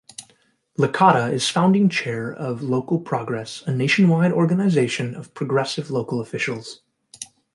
Licata is founding chair of Local Progress, a nationwide organization of progressive local officials.